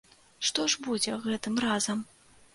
Што ж будзе гэтым разам?